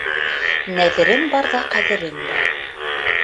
Нәҙерең барҙа ҡәҙерең бар.